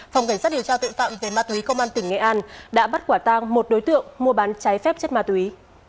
phòng cảnh sát điều tra tội phạm về ma túy công an tỉnh nghệ an đã bắt quả tang một đối tượng mua bán trái phép chất ma túy